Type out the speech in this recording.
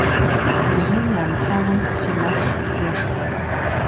Бзум ямыфэгъум си мэш ешх.